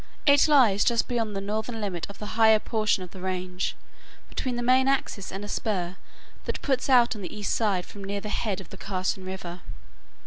It lies just beyond the northern limit of the higher portion of the range between the main axis and a spur that puts out on the east side from near the head of the Carson River.